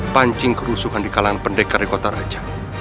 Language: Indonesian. pancing kerusuhan di kalangan pendekari kota raja